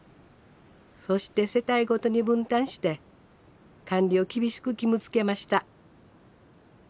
そして世帯ごとに分担して管理を厳しく義務づけました。